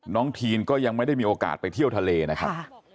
ทีนก็ยังไม่ได้มีโอกาสไปเที่ยวทะเลนะครับ